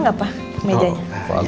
suka gak pak meja nya